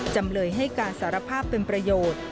จำเลยให้การสารภาพเป็นประโยชน์